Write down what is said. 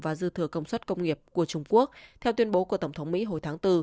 và dư thừa công suất công nghiệp của trung quốc theo tuyên bố của tổng thống mỹ hồi tháng bốn